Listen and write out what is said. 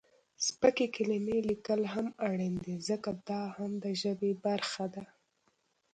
سپکې کلمې لیکل هم اړین دي ځکه، دا هم د ژبې برخه ده.